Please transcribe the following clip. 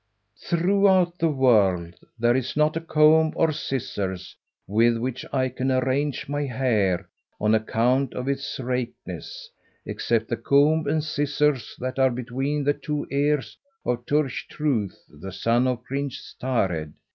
"Throughout the world there is not a comb or scissors with which I can arrange my hair, on, account of its rankness, except the comb and scissors that are between the two ears of Turch Truith, the son of Prince Tared.